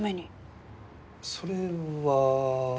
それは。